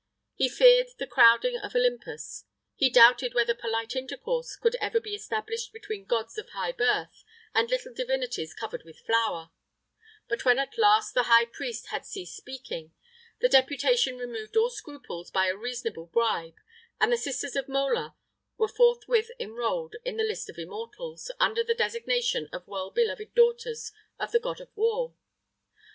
He feared the crowding of Olympus; he doubted whether polite intercourse could ever be established between gods of high birth and little divinities covered with flour; but when at last the high priest had ceased speaking, the deputation removed all scruples by a reasonable bribe, and the sisters of Mola were forthwith enrolled in the list of immortals, under the designation of well beloved daughters of the god of war.